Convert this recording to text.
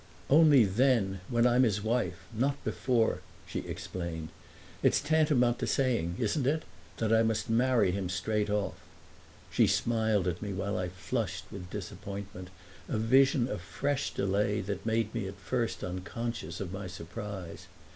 "Only then, when I'm his wife—not before," she explained. "It's tantamount to saying—isn't it?—that I must marry him straight off!" She smiled at me while I flushed with disappointment, a vision of fresh delay that made me at first unconscious of my surprise.